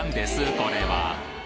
これは？